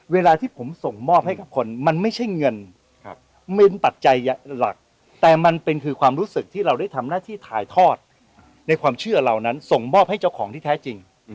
เวลาที่ผมส่งมอบให้กับคนมันไม่ใช่เงินเป็นปัจจัยหลักแต่มันเป็นคือความรู้สึกที่เราได้ทำหน้าที่ถ่ายทอดในความเชื่อเหล่านั้นส่งมอบให้เจ้าของที่แท้จริง